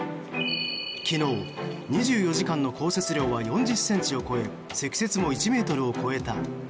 昨日、２４時間の降雪量は４０ｃｍを超え積雪も１ｍを超えた。